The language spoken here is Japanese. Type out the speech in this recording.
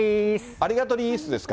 ありがとりーすですか。